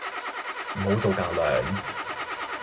唔好做架樑